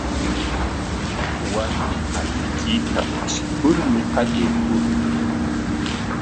Warmiqa mikuyta ashikurmi qallaykurqan.